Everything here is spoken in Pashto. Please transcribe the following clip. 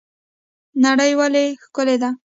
نړۍ ولې ښکلې ده؟